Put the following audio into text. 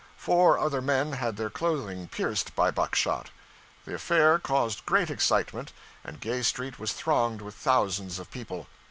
Four other men had their clothing pierced by buckshot. The affair caused great excitement, and Gay Street was thronged with thousands of people.